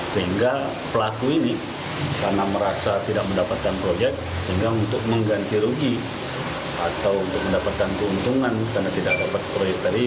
sehingga pelaku ini karena merasa tidak mendapatkan proyek sehingga untuk mengganti rugi atau untuk mendapatkan keuntungan karena tidak dapat proyek tadi